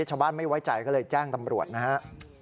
ชาวบ้านไม่ไว้ใจก็เลยแจ้งตำรวจนะฮะ